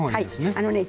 あのね